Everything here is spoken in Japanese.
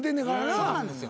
そうなんですよ。